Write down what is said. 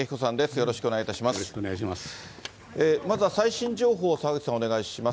よろしくお願いします。